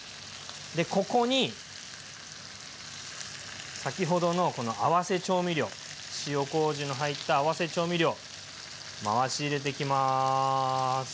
でここに先ほどの合わせ調味料塩こうじの入った合わせ調味料回し入れていきます。